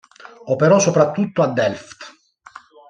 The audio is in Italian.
Operò soprattutto a Delft.